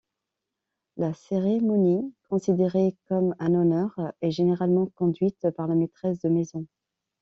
La cérémonie, considérée comme un honneur, est généralement conduite par la maîtresse de maison.